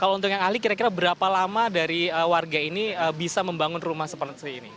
kalau untuk yang ahli kira kira berapa lama dari warga ini bisa membangun rumah seperti ini